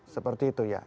seperti itu ya